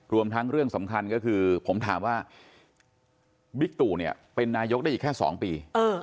รวมทั้งเรื่องสำคัญก็คือผมถามว่าบิ๊กตู่เนี่ยเป็นนายกได้อีกแค่๒ปี